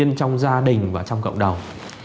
thành vi trong gia đình và trong cộng đồng